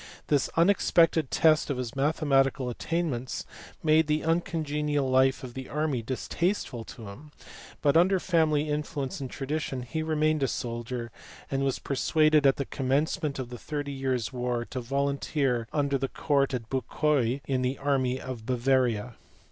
This unexpected test of his mathematical attainments made the uncongenial life of the army distasteful to him, but under family influence and tradition he remained a soldier, and was persuaded at the commencement of the thirty years war to volunteer under Count de Bucquoy in the army of Bavaria.